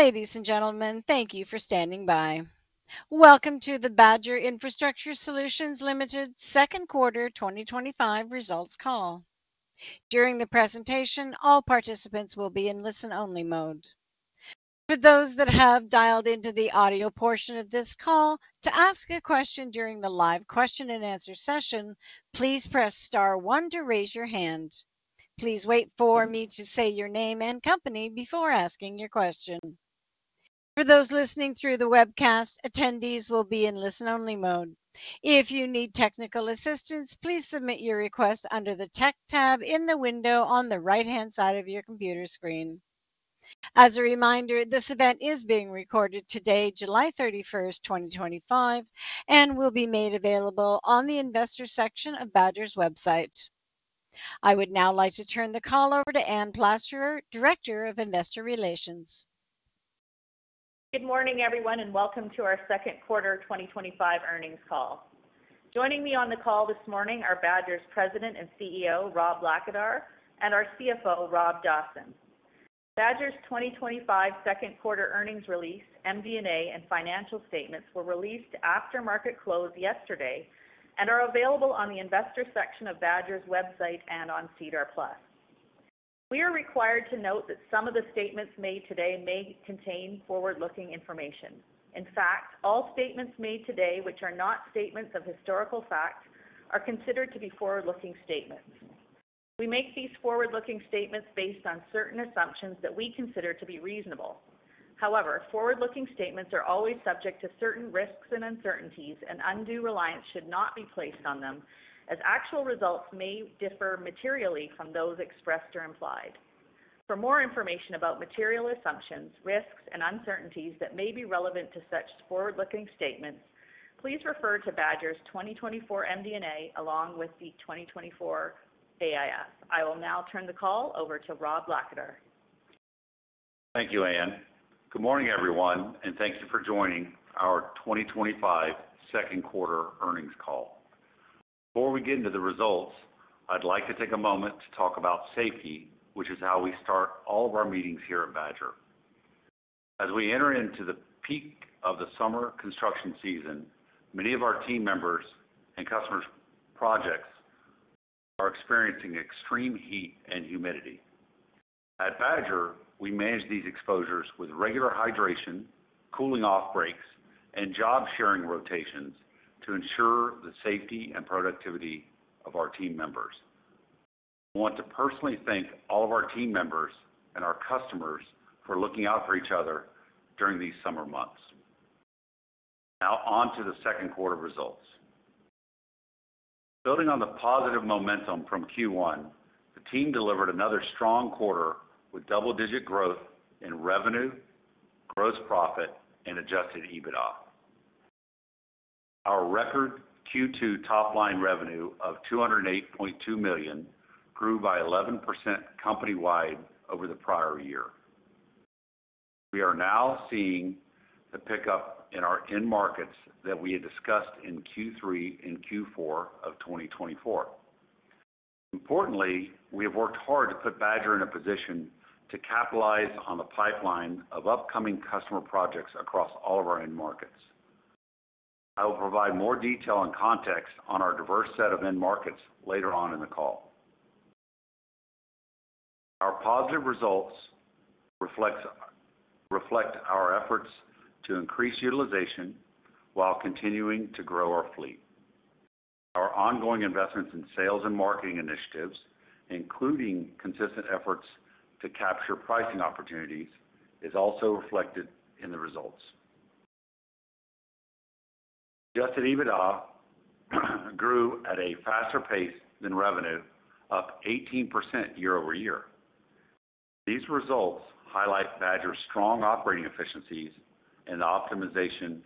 Ladies and gentlemen, thank you for standing by. Welcome to the Badger Infrastructure Solutions Ltd. second quarter 2025 results call. During the presentation, all participants will be in listen-only mode. For those that have dialed into the audio portion of this call, to ask a question during the live question and answer session, please press star one to raise your hand. Please wait for me to say your name and company before asking your question. For those listening through the webcast, attendees will be in listen-only mode. If you need technical assistance, please submit your request under the tech tab in the window on the right-hand side of your computer screen. As a reminder, this event is being recorded today, July 31st, 2025, and will be made available on the investor section of Badger's website.I would now like to turn the call over to Anne Plasterer, Director of Investor Relations. Good morning, everyone, and welcome to our second quarter 2025 earnings call. Joining me on the call this morning are Badger's President and CEO, Rob Blackadar, and our CFO, Rob Dawson. Badger's 2025 second quarter earnings release, MD&A, and financial statements were released after market close yesterday and are available on the investor section of Badger's website and on SEDAR Plus. We are required to note that some of the statements made today may contain forward-looking information. In fact, all statements made today which are not statements of historical fact are considered to be forward-looking statements. We make these forward-looking statements based on certain assumptions that we consider to be reasonable. However, forward-looking statements are always subject to certain risks and uncertainties, and undue reliance should not be placed on them, as actual results may differ materially from those expressed or implied. For more information about material assumptions, risks, and uncertainties that may be relevant to such forward-looking statements, please refer to Badger's 2024 MD&A along with the 2024 AIF. I will now turn the call over to Rob Blackadar. Thank you, Anne. Good morning, everyone, and thank you for joining our 2025 second quarter earnings call. Before we get into the results, I'd like to take a moment to talk about safety, which is how we start all of our meetings here at Badger. As we enter into the peak of the summer construction season, many of our team members and customers' projects are experiencing extreme heat and humidity. At Badger, we manage these exposures with regular hydration, cooling off breaks, and job sharing rotations to ensure the safety and productivity of our team members. I want to personally thank all of our team members and our customers for looking out for each other during these summer months. Now on to the second quarter results. Building on the positive momentum from Q1, the team delivered another strong quarter with double-digit growth in revenue, gross profit, and adjusted EBITDA. Our record Q2 top-line revenue of $208.2 million grew by 11% company-wide over the prior year. We are now seeing the pickup in our end markets that we had discussed in Q3 and Q4 of 2024. Importantly, we have worked hard to put Badger in a position to capitalize on the pipeline of upcoming customer projects across all of our end markets. I will provide more detail and context on our diverse set of end markets later on in the call. Our positive results reflect our efforts to increase utilization while continuing to grow our fleet. Our ongoing investments in sales and marketing initiatives, including consistent efforts to capture pricing opportunities, are also reflected in the results. Adjusted EBITDA grew at a faster pace than revenue, up 18% year-over-year. These results highlight Badger's strong operating efficiencies and the optimization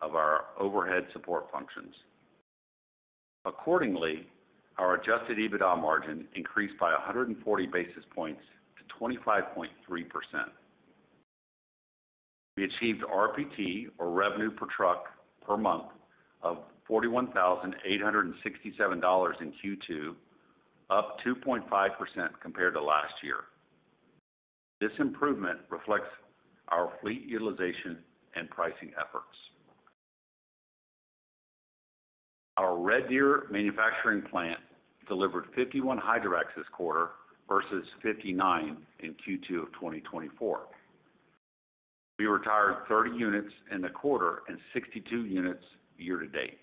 of our overhead support functions. Accordingly, our adjusted EBITDA margin increased by 140 basis points to 25.3%. We achieved RPT, or revenue per truck per month, of $41,867 in Q2, up 2.5% compared to last year. This improvement reflects our fleet utilization and pricing efforts. Our Red Deer manufacturing plant delivered 51 hydrovacs this quarter versus 59 in Q2 of 2024. We retired 30 units in the quarter and 62 units year to date.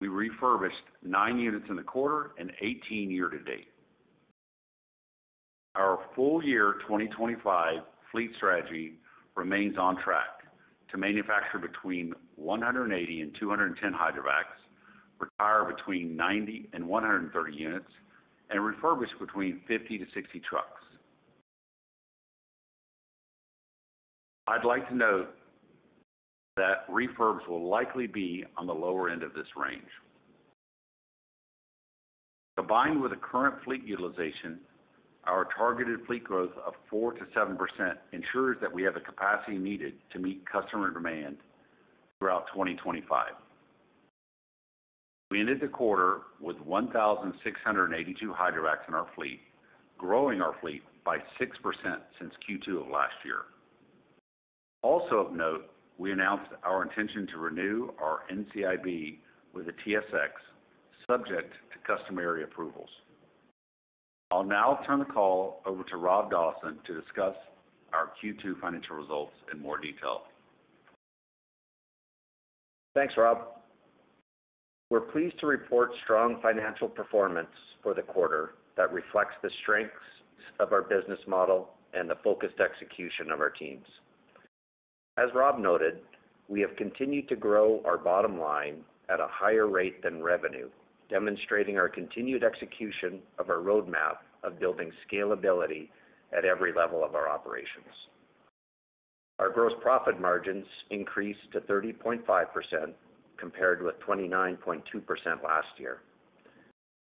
We refurbished nine units in the quarter and 18 year to date. Our full-year 2025 fleet strategy remains on track to manufacture between 180 and 210 hydrovacs, retire between 90 and 130 units, and refurbish between 50-60 trucks. I'd like to note that refurbs will likely be on the lower end of this range. Combined with the current fleet utilization, our targeted fleet growth of 4%-7% ensures that we have the capacity needed to meet customer demand throughout 2025. We ended the quarter with 1,682 hydrovacs in our fleet, growing our fleet by 6% since Q2 of last year. Also of note, we announced our intention to renew our NCIB program with the TSX, subject to customary approvals. I'll now turn the call over to Rob Dawson to discuss our Q2 financial results in more detail. Thanks, Rob. We're pleased to report strong financial performance for the quarter that reflects the strengths of our business model and the focused execution of our teams. As Rob noted, we have continued to grow our bottom line at a higher rate than revenue, demonstrating our continued execution of our roadmap of building scalability at every level of our operations. Our gross profit margins increased to 30.5% compared with 29.2% last year.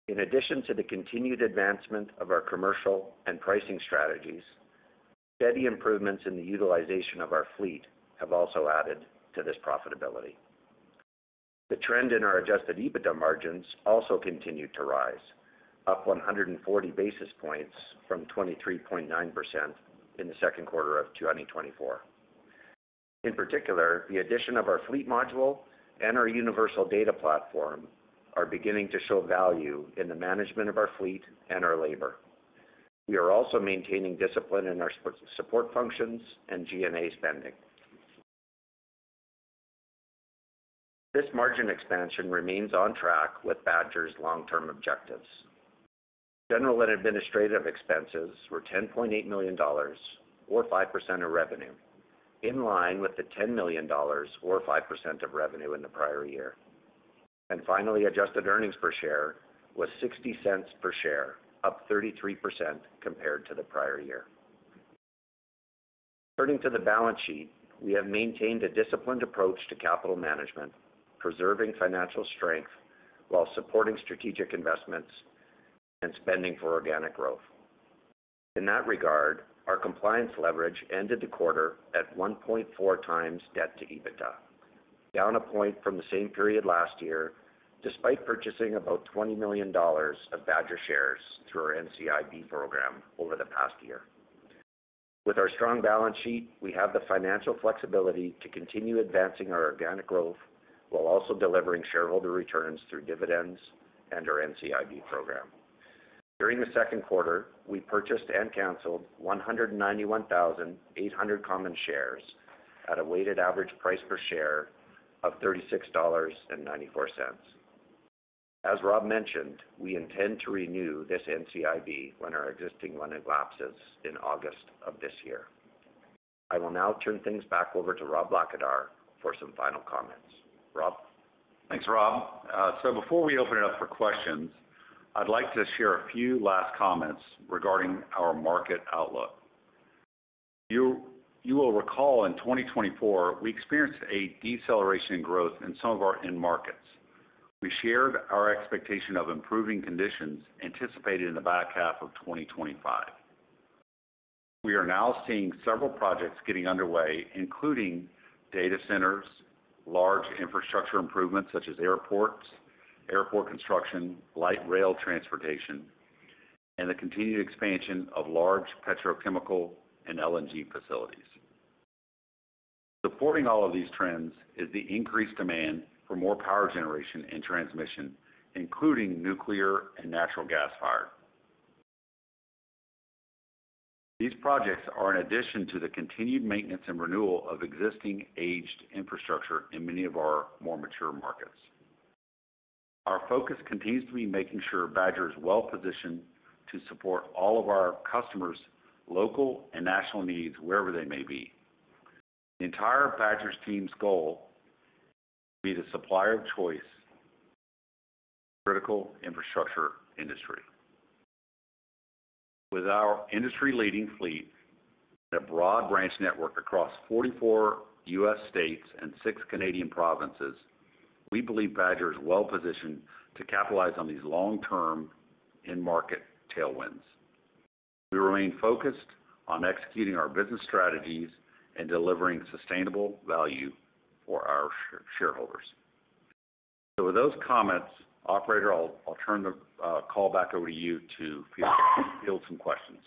In addition to the continued advancement of our commercial and pricing strategies, steady improvements in the utilization of our fleet have also added to this profitability. The trend in our adjusted EBITDA margins also continued to rise, up 140 basis points from 23.9% in the second quarter of 2024. In particular, the addition of our fleet module and our universal data platform are beginning to show value in the management of our fleet and our labor. We are also maintaining discipline in our support functions and G&A spending. This margin expansion remains on track with Badger's long-term objectives. General and administrative expenses were $10.8 million, or 5% of revenue, in line with the $10 million, or 5% of revenue in the prior year. Finally, adjusted earnings per share was $0.60 per share, up 33% compared to the prior year. Turning to the balance sheet, we have maintained a disciplined approach to capital management, preserving financial strength while supporting strategic investments and spending for organic growth. In that regard, our compliance leverage ended the quarter at 1.4x debt to EBITDA, down a point from the same period last year, despite purchasing about $20 million of Badger shares through our NCIB program over the past year. With our strong balance sheet, we have the financial flexibility to continue advancing our organic growth while also delivering shareholder returns through dividends and our NCIB program. During the second quarter, we purchased and canceled 191,800 common shares at a weighted average price per share of $36.94. As Rob mentioned, we intend to renew this NCIB when our existing one evolves in August of this year. I will now turn things back over to Rob Blackadar for some final comments. Rob? Thanks, Rob. Before we open it up for questions, I'd like to share a few last comments regarding our market outlook. You will recall in 2024, we experienced a deceleration in growth in some of our end markets. We shared our expectation of improving conditions anticipated in the back half of 2025. We are now seeing several projects getting underway, including data centers, large infrastructure improvements such as airports, airport construction, light rail transportation, and the continued expansion of large petrochemical and LNG facilities. Supporting all of these trends is the increased demand for more power generation and transmission, including nuclear and natural gas fire. These projects are in addition to the continued maintenance and renewal of existing aged infrastructure in many of our more mature markets. Our focus continues to be making sure Badger is well positioned to support all of our customers' local and national needs, wherever they may be. The entire Badger team's goal is to be the supplier of choice for the critical infrastructure industry. With our industry-leading fleet and a broad branch network across 44 U.S. states and six Canadian provinces, we believe Badger is well positioned to capitalize on these long-term in-market tailwinds. We remain focused on executing our business strategies and delivering sustainable value for our shareholders. With those comments, operator, I'll turn the call back over to you to field some questions.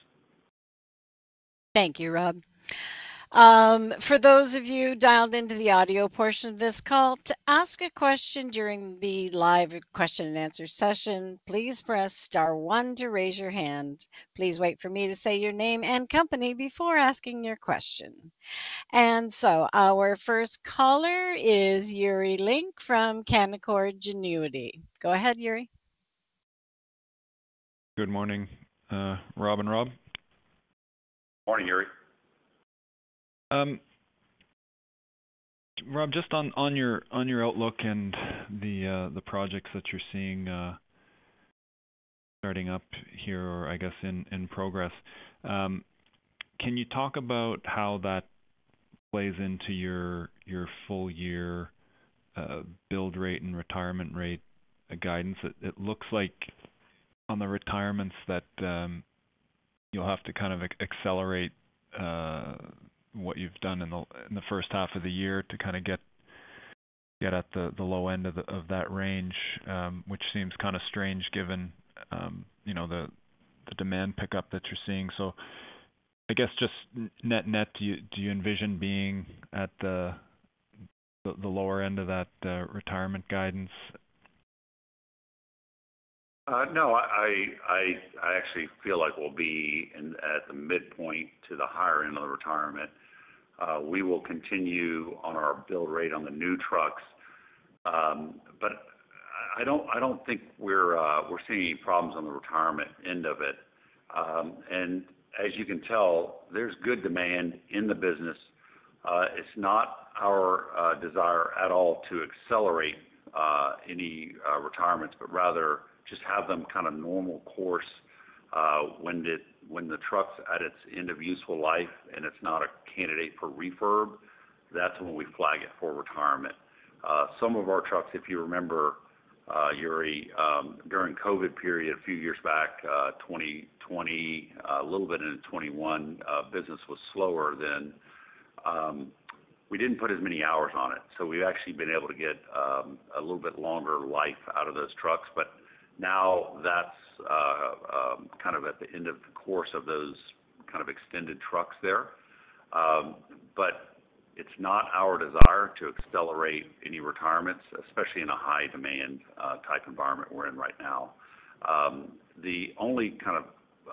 Thank you, Rob. For those of you dialed into the audio portion of this call, to ask a question during the live question and answer session, please press star one to raise your hand. Please wait for me to say your name and company before asking your question. Our first caller is Yuri Lynk from Canaccord Genuity. Go ahead, Yuri. Good morning, Rob and Rob. Morning, Yuri. Rob, just on your outlook and the projects that you're seeing starting up here or, I guess, in progress, can you talk about how that plays into your full-year build rate and retirement rate guidance? It looks like on the retirements that you'll have to kind of accelerate what you've done in the first half of the year to get at the low end of that range, which seems kind of strange given the demand pickup that you're seeing. I guess just net-net, do you envision being at the lower end of that retirement guidance? No, I actually feel like we'll be at the midpoint to the higher end of the retirement. We will continue on our build rate on the new trucks. I don't think we're seeing any problems on the retirement end of it. As you can tell, there's good demand in the business. It's not our desire at all to accelerate any retirements, but rather just have them kind of normal course. When the truck's at its end of useful life and it's not a candidate for refurb, that's when we flag it for retirement. Some of our trucks, if you remember, Yuri, during COVID period a few years back, 2020, a little bit into 2021, business was slower then. We didn't put as many hours on it. We've actually been able to get a little bit longer life out of those trucks. Now that's kind of at the end of the course of those kind of extended trucks there. It's not our desire to accelerate any retirements, especially in a high-demand type environment we're in right now. The only kind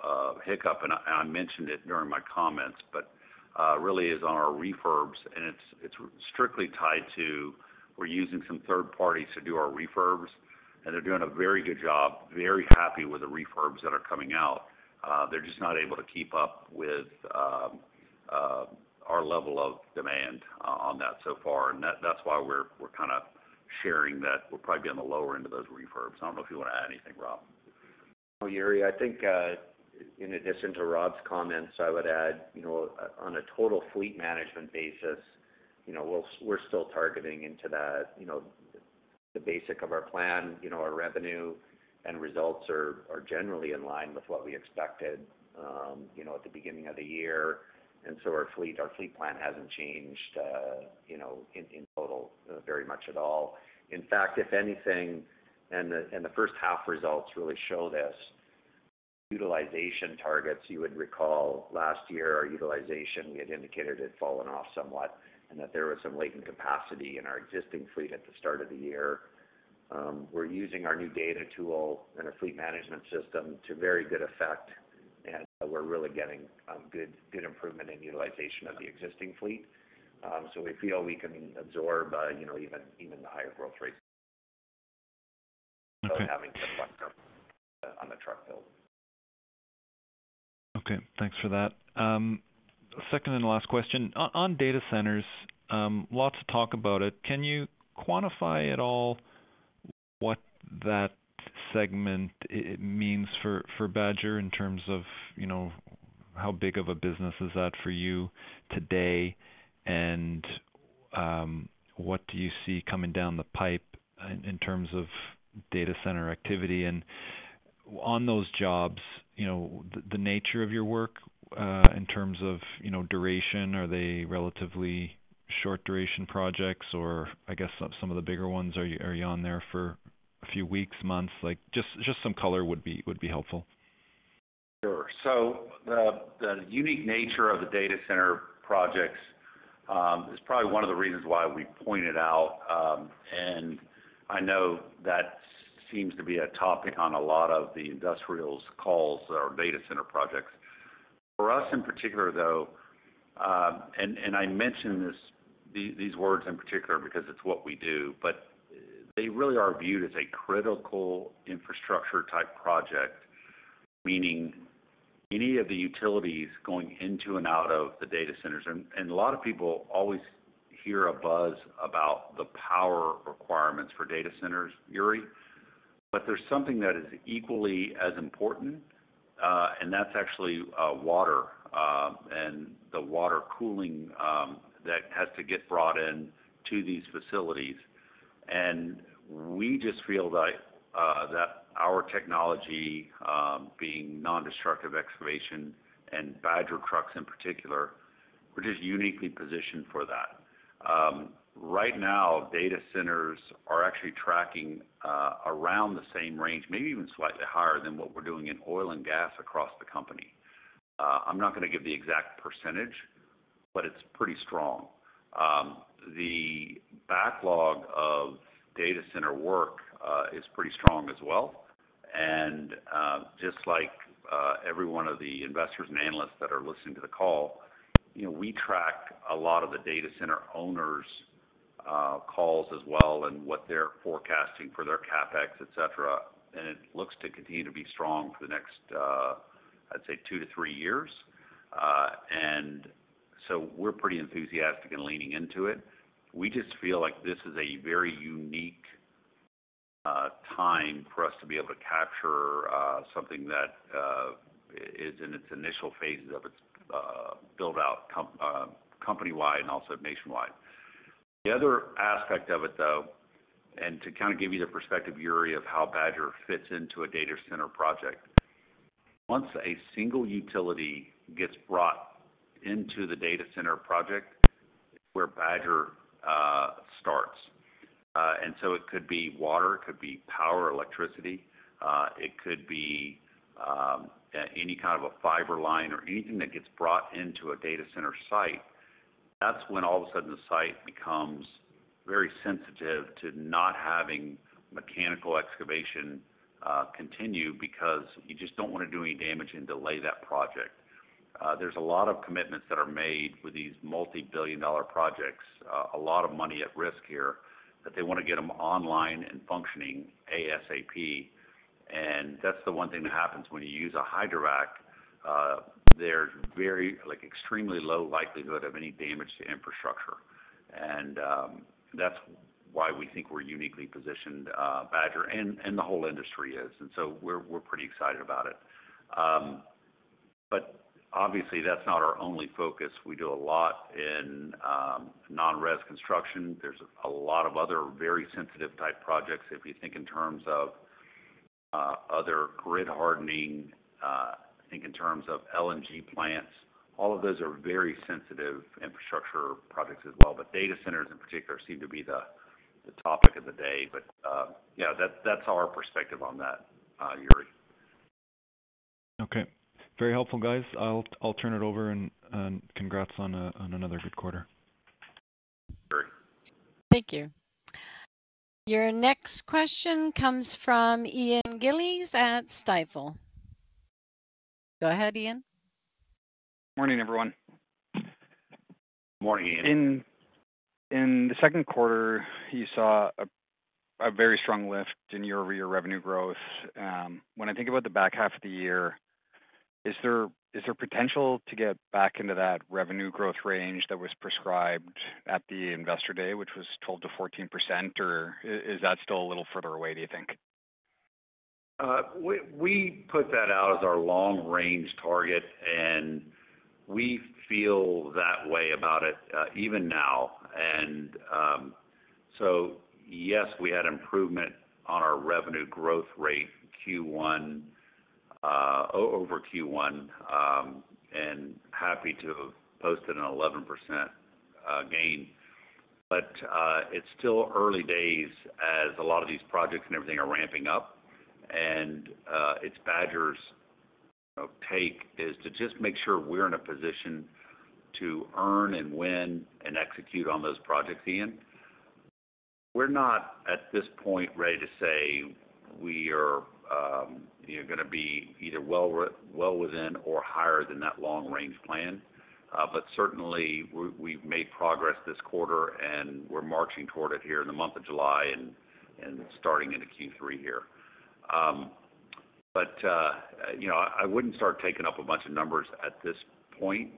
of hiccup, and I mentioned it during my comments, really is on our refurbs. It's strictly tied to we're using some third parties to do our refurbs. They're doing a very good job, very happy with the refurbs that are coming out. They're just not able to keep up with our level of demand on that so far. That's why we're kind of sharing that we'll probably be on the lower end of those refurbs. I don't know if you want to add anything, Rob. Yuri, I think in addition to Rob's comments, I would add, on a total fleet management basis, we're still targeting into that, the basic of our plan. Our revenue and results are generally in line with what we expected at the beginning of the year, and our fleet plan hasn't changed in total very much at all. In fact, if anything, the first half results really show this. Utilization targets, you would recall last year, our utilization, we had indicated it had fallen off somewhat and that there was some latent capacity in our existing fleet at the start of the year. We're using our new data tool and our fleet management system to very good effect, and we're really getting good improvement in utilization of the existing fleet. We feel we can absorb even the higher growth rates, so having to buck them on the truck build. Okay. Thanks for that. Second and last question. On data centers, lots of talk about it. Can you quantify at all what that segment means for Badger in terms of, you know, how big of a business is that for you today? What do you see coming down the pipe in terms of data center activity? On those jobs, the nature of your work in terms of duration, are they relatively short-duration projects? I guess some of the bigger ones, are you on there for a few weeks, months? Just some color would be helpful. Sure. The unique nature of the data center projects is probably one of the reasons why we pointed out. I know that seems to be a topic on a lot of the industrials' calls that are data center projects. For us in particular, though, and I mentioned these words in particular because it's what we do, but they really are viewed as a critical infrastructure type project, meaning any of the utilities going into and out of the data centers. A lot of people always hear a buzz about the power requirements for data centers, Yuri. There's something that is equally as important, and that's actually water, and the water cooling that has to get brought in to these facilities. We just feel that our technology, being non-destructive excavation and Badger trucks in particular, are just uniquely positioned for that. Right now, data centers are actually tracking around the same range, maybe even slightly higher than what we're doing in oil and gas across the company. I'm not going to give the exact percentage, but it's pretty strong. The backlog of data center work is pretty strong as well. Just like every one of the investors and analysts that are listening to the call, you know, we track a lot of the data center owners' calls as well and what they're forecasting for their CapEx, etc. It looks to continue to be strong for the next, I'd say, two to three years. We're pretty enthusiastic and leaning into it. We just feel like this is a very unique time for us to be able to capture something that is in its initial phases of its build-out company-wide and also nationwide. The other aspect of it, though, and to kind of give you the perspective, Yuri, of how Badger fits into a data center project, once a single utility gets brought into the data center project where Badger starts. It could be water, it could be power, electricity, it could be any kind of a fiber line or anything that gets brought into a data center site. That's when all of a sudden the site becomes very sensitive to not having mechanical excavation continue because you just don't want to do any damage and delay that project. There's a lot of commitments that are made with these multi-billion dollar projects, a lot of money at risk here, that they want to get them online and functioning ASAP. That's the one thing that happens when you use a hydrovac. There's a very extremely low likelihood of any damage to infrastructure. That is why we think we're uniquely positioned, Badger, and the whole industry is. We're pretty excited about it. Obviously, that's not our only focus. We do a lot in non-RES construction. There are a lot of other very sensitive type projects. If you think in terms of other grid hardening, I think in terms of LNG plants, all of those are very sensitive infrastructure projects as well. Data centers in particular seem to be the topic of the day. That's our perspective on that, Yuri. Okay, very helpful, guys. I'll turn it over, and congrats on another good quarter. Yuri. Thank you. Your next question comes from Ian Gillies at Stifel. Go ahead, Ian. Morning, everyone. Morning, Ian. In the second quarter, you saw a very strong lift in year-over-year revenue growth. When I think about the back half of the year, is there potential to get back into that revenue growth range that was prescribed at the investor day, which was 12%-14%, or is that still a little further away, do you think? We put that out as our long-range target, and we feel that way about it even now. Yes, we had improvement on our revenue growth rate over Q1 and are happy to have posted an 11% gain. It's still early days as a lot of these projects and everything are ramping up. Badger's take is to just make sure we're in a position to earn and win and execute on those projects, Ian. We're not at this point ready to say we are going to be either well within or higher than that long-range plan. Certainly, we've made progress this quarter, and we're marching toward it here in the month of July and starting into Q3. I wouldn't start taking up a bunch of numbers at this point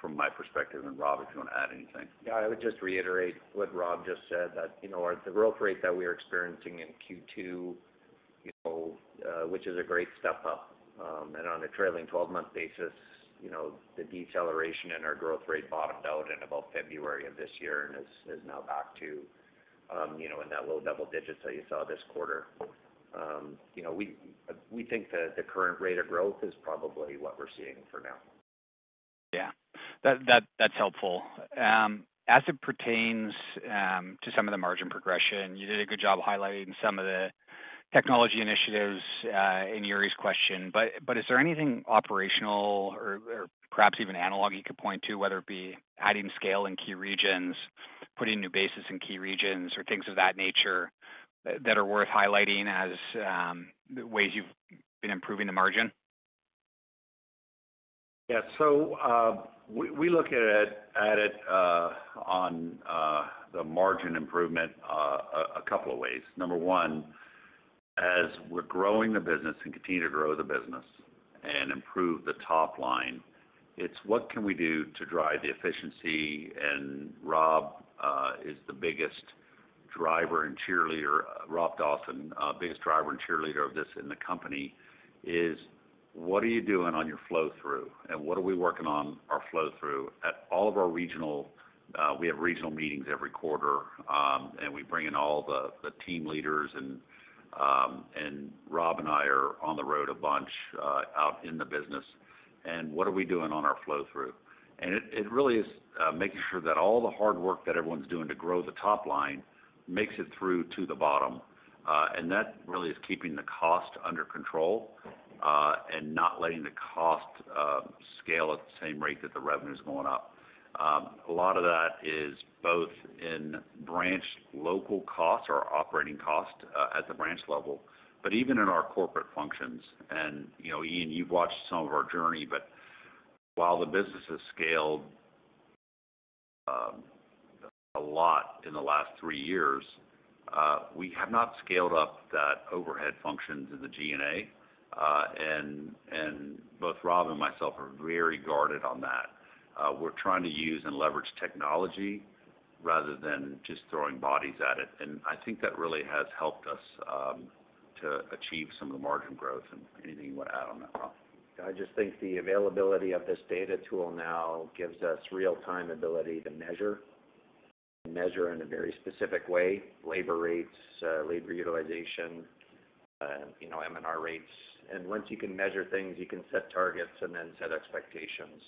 from my perspective. Rob, if you want to add anything. Yeah, I would just reiterate what Rob just said, that the growth rate that we're experiencing in Q2 is a great step up. On a trailing 12-month basis, the deceleration in our growth rate bottomed out in about February of this year and is now back to in that low double digits that you saw this quarter. We think that the current rate of growth is probably what we're seeing for now. Yeah, that's helpful. As it pertains to some of the margin progression, you did a good job highlighting some of the technology initiatives in Yuri's question. Is there anything operational or perhaps even analog you could point to, whether it be adding scale in key regions, putting new bases in key regions, or things of that nature that are worth highlighting as the ways you've been improving the margin? Yeah. We look at it on the margin improvement a couple of ways. Number one, as we're growing the business and continue to grow the business and improve the top line, it's what can we do to drive the efficiency? Rob is the biggest driver and cheerleader, Rob Dawson, biggest driver and cheerleader of this in the company. What are you doing on your flow-through? What are we working on our flow-through at all of our regional? We have regional meetings every quarter, and we bring in all the team leaders. Rob and I are on the road a bunch out in the business. What are we doing on our flow-through? It really is making sure that all the hard work that everyone's doing to grow the top line makes it through to the bottom. That really is keeping the cost under control and not letting the cost scale at the same rate that the revenue is going up. A lot of that is both in branch local costs or operating costs at the branch level, but even in our corporate functions. You know, Ian, you've watched some of our journey, but while the business has scaled a lot in the last three years, we have not scaled up that overhead functions in the G&A. Both Rob and myself are very guarded on that. We're trying to use and leverage technology rather than just throwing bodies at it. I think that really has helped us to achieve some of the margin growth. Anything you want to add on that? I just think the availability of this data tool now gives us real-time ability to measure, measure in a very specific way, labor rates, labor utilization, and M&R rates. Once you can measure things, you can set targets and then set expectations.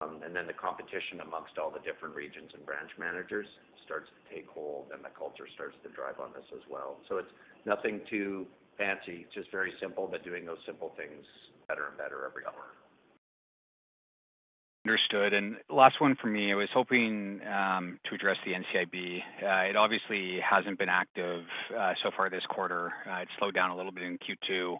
The competition amongst all the different regions and branch managers starts to take hold, and the culture starts to drive on this as well. It's nothing too fancy, just very simple, but doing those simple things better and better every hour. Understood. Last one from me. I was hoping to address the NCIB program. It obviously hasn't been active so far this quarter. It slowed down a little bit in Q2.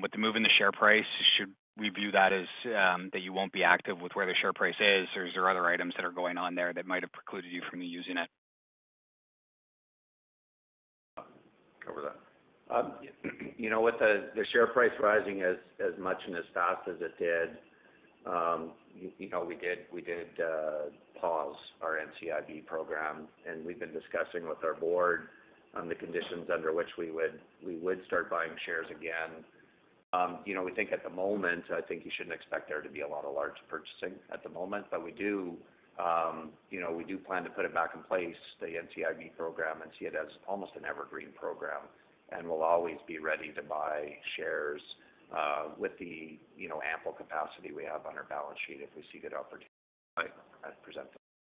With the move in the share price, should we view that as that you won't be active with where the share price is, or is there other items that are going on there that might have precluded you from using it? Cover that. With the share price rising as much and as fast as it did, we did pause our NCIB program. We've been discussing with our board the conditions under which we would start buying shares again. We think at the moment, you shouldn't expect there to be a lot of large purchasing at the moment, but we do plan to put it back in place, the NCIB program, and see it as almost an evergreen program. We'll always be ready to buy shares with the ample capacity we have on our balance sheet if we see good opportunities.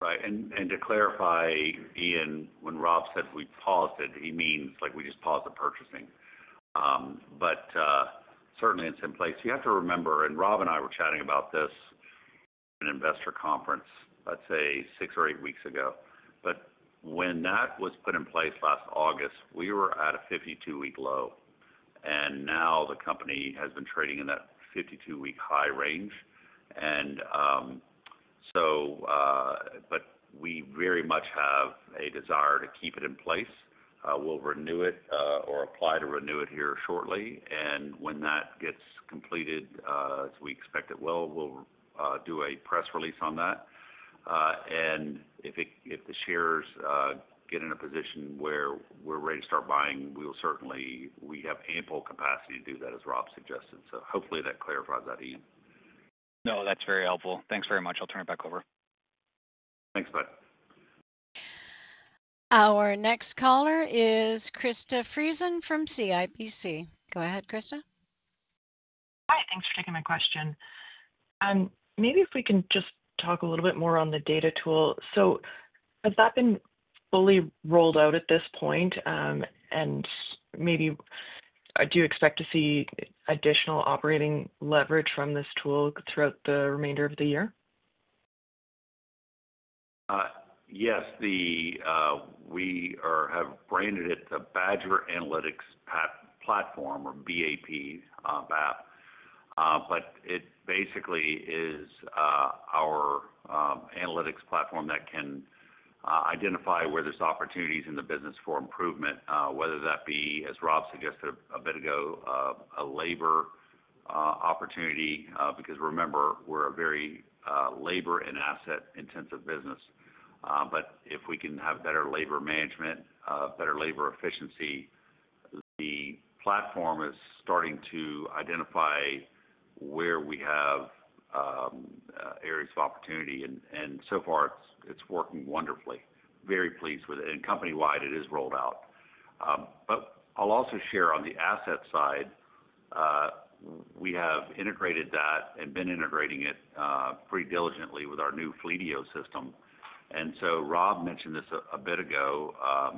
Right. To clarify, Ian, when Rob said we paused it, he means we just paused the purchasing. Certainly, it's in place. You have to remember, Rob and I were chatting about this at an investor conference, let's say, six or eight weeks ago. When that was put in place last August, we were at a 52-week low. Now the company has been trading in that 52-week high range. We very much have a desire to keep it in place. We'll renew it or apply to renew it here shortly. When that gets completed, as we expect it will, we'll do a press release on that. If the shares get in a position where we're ready to start buying, we will certainly, we have ample capacity to do that, as Rob suggested. Hopefully, that clarifies that, Ian. No, that's very helpful. Thanks very much. I'll turn it back over. Thanks, buddy. Our next caller is Krista Friesen from CIBC. Go ahead, Krista. Hi. Thanks for taking my question. Maybe if we can just talk a little bit more on the data tool. Has that been fully rolled out at this point? Do you expect to see additional operating leverage from this tool throughout the remainder of the year? Yes. We have branded it the Badger Analytics Platform, or BAP. It basically is our analytics platform that can identify where there's opportunities in the business for improvement, whether that be, as Rob suggested a bit ago, a labor opportunity. Remember, we're a very labor and asset-intensive business. If we can have better labor management, better labor efficiency, the platform is starting to identify where we have areas of opportunity. So far, it's working wonderfully. Very pleased with it. Company-wide, it is rolled out. I'll also share on the asset side, we have integrated that and been integrating it pretty diligently with our new Fleetio system. Rob mentioned this a bit ago,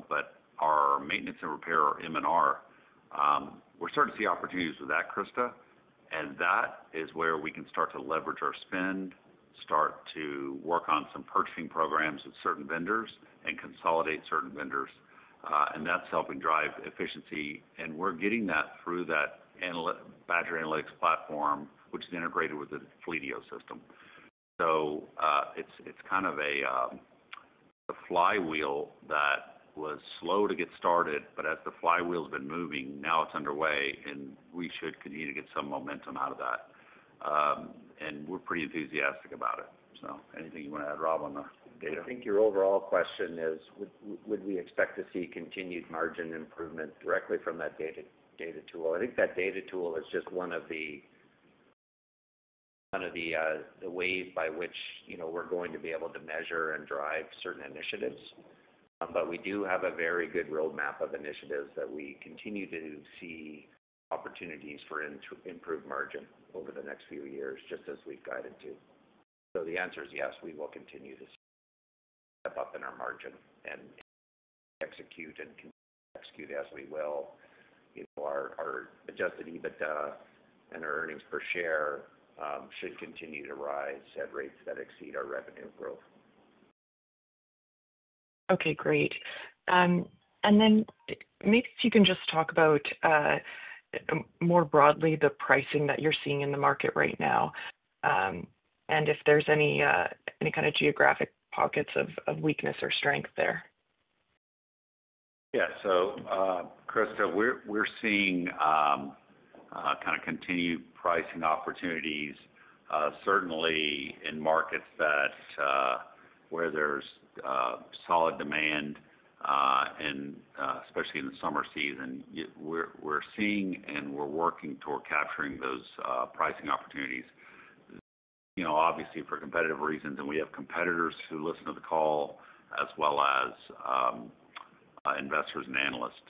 but our maintenance and repair, our M&R, we're starting to see opportunities with that, Krista. That is where we can start to leverage our spend, start to work on some purchasing programs with certain vendors, and consolidate certain vendors. That's helping drive efficiency. We're getting that through that Badger Analytics Platform, which is integrated with the Fleetio system. It's kind of a flywheel that was slow to get started, but as the flywheel's been moving, now it's underway, and we should continue to get some momentum out of that. We're pretty enthusiastic about it. Anything you want to add, Rob, on the data? I think your overall question is, would we expect to see continued margin improvement directly from that data tool? I think that data tool is just one of the ways by which we're going to be able to measure and drive certain initiatives. We do have a very good roadmap of initiatives that we continue to see opportunities for improved margin over the next few years, just as we've guided to. The answer is yes, we will continue to step up in our margin and execute and execute as we will. You know, our adjusted EBITDA and our earnings per share should continue to rise at rates that exceed our revenue growth. Okay. Great. Maybe if you can just talk about more broadly the pricing that you're seeing in the market right now, and if there's any kind of geographic pockets of weakness or strength there. Yeah. Krista, we're seeing kind of continued pricing opportunities, certainly in markets where there's solid demand, and especially in the summer season. We're seeing and we're working toward capturing those pricing opportunities. Obviously, for competitive reasons, and we have competitors who listen to the call as well as investors and analysts,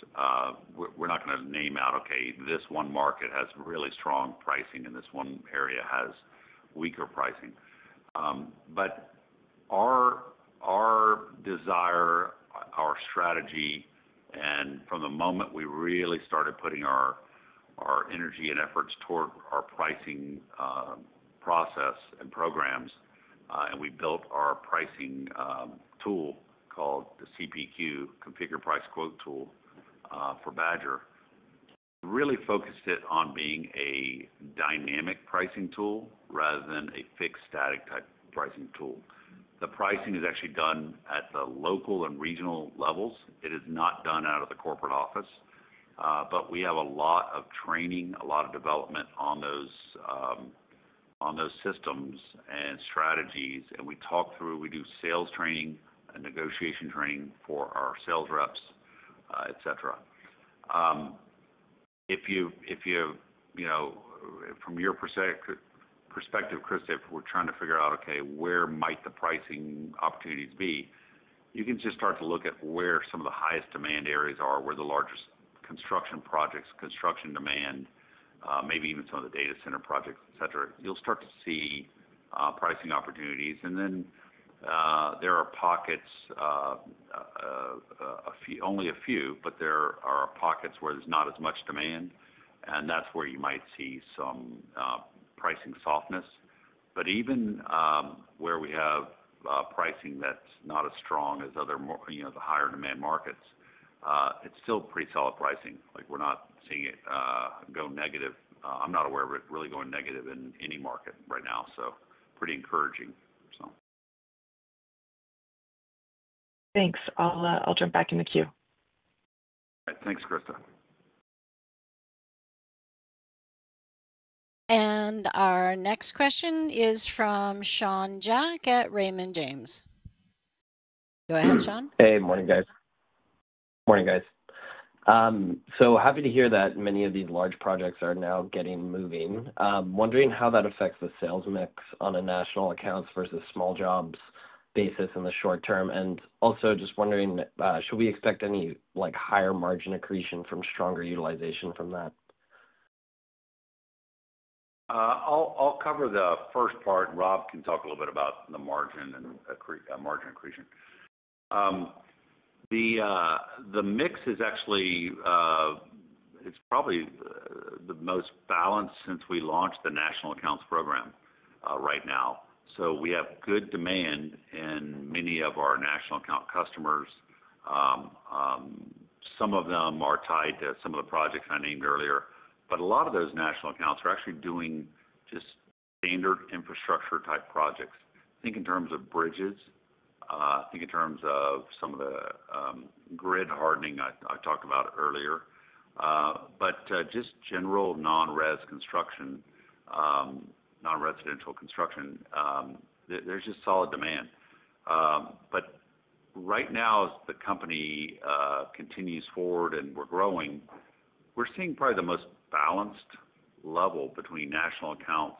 we're not going to name out, "Okay, this one market has really strong pricing and this one area has weaker pricing." Our desire, our strategy, and from the moment we really started putting our energy and efforts toward our pricing process and programs, and we built our pricing tool called the CPQ, Configure Price Quote Tool, for Badger, really focused it on being a dynamic pricing tool rather than a fixed static type pricing tool. The pricing is actually done at the local and regional levels. It is not done out of the corporate office. We have a lot of training, a lot of development on those systems and strategies. We talk through, we do sales training and negotiation training for our sales reps, etc. If you have, you know, from your perspective, Krista, if we're trying to figure out, "Okay, where might the pricing opportunities be?" you can just start to look at where some of the highest demand areas are, where the largest construction projects, construction demand, maybe even some of the data center projects, etc. You'll start to see pricing opportunities. There are pockets, only a few, but there are pockets where there's not as much demand. That's where you might see some pricing softness. Even where we have pricing that's not as strong as other, you know, the higher demand markets, it's still pretty solid pricing. We're not seeing it go negative. I'm not aware of it really going negative in any market right now. Pretty encouraging. Thanks. I'll jump back in the queue. All right. Thanks, Krista. Our next question is from Sean Jack at Raymond James. Go ahead, Sean. Morning, guys. Morning, guys. So happy to hear that many of these large projects are now getting moving. I'm wondering how that affects the sales mix on a national accounts versus small jobs basis in the short term. Also just wondering, should we expect any like higher margin accretion from stronger utilization from that? I'll cover the first part. Rob can talk a little bit about the margin and accretion. The mix is actually, it's probably the most balanced since we launched the national accounts program right now. We have good demand in many of our national account customers. Some of them are tied to some of the projects I named earlier. A lot of those national accounts are actually doing just standard infrastructure type projects. I think in terms of bridges, I think in terms of some of the grid hardening I talked about earlier. Just general non-residential construction, there's just solid demand. Right now, as the company continues forward and we're growing, we're seeing probably the most balanced level between national accounts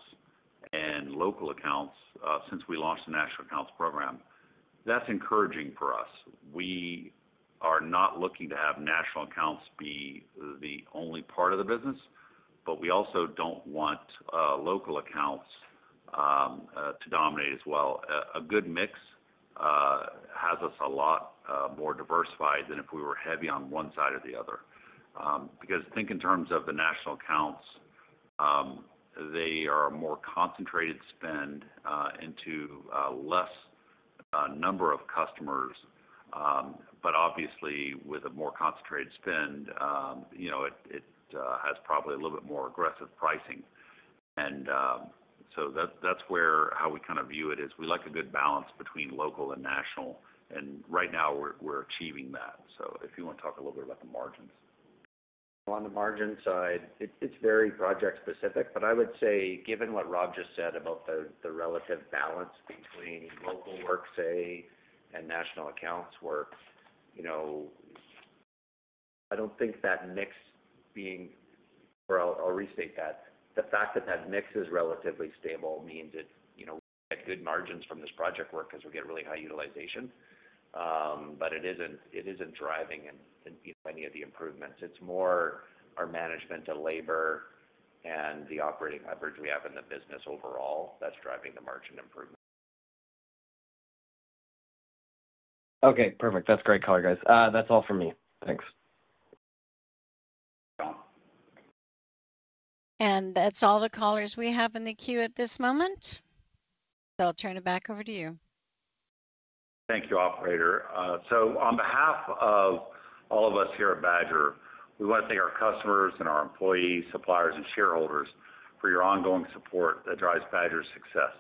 and local accounts since we launched the national accounts program. That's encouraging for us. We are not looking to have national accounts be the only part of the business, but we also don't want local accounts to dominate as well. A good mix has us a lot more diversified than if we were heavy on one side or the other. I think in terms of the national accounts, they are a more concentrated spend into a less number of customers. Obviously, with a more concentrated spend, it has probably a little bit more aggressive pricing. That's where how we kind of view it is we like a good balance between local and national. Right now, we're achieving that. If you want to talk a little bit about the margins. On the margin side, it's very project-specific. I would say, given what Rob just said about the relative balance between local work, say, and national accounts work, I don't think that mix being, or I'll restate that, the fact that that mix is relatively stable means it's at good margins from this project work because we get really high utilization. It isn't driving any of the improvements. It's more our management and labor and the operating leverage we have in the business overall that's driving the margin improvement. Okay. Perfect. That's great, guys. That's all for me. Thanks. That’s all the callers we have in the queue at this moment. I’ll turn it back over to you. Thank you, operator. On behalf of all of us here at Badger, we want to thank our customers, employees, suppliers, and shareholders for your ongoing support that drives Badger's success.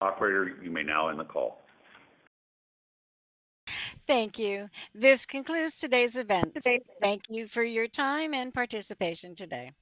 Operator, you may now end the call. Thank you. This concludes today's event. Thank you for your time and participation today.